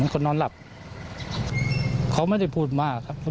ไม่รู้จักเขาไม่รู้จักเขา